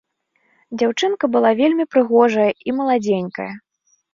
Дзяўчынка была вельмі прыгожая і маладзенькая.